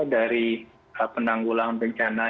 dari penanggulangan bencana